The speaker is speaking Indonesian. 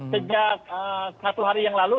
sejak satu hari yang lalu